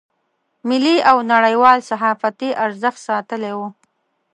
ملي او نړیوال صحافتي ارزښت ساتلی و.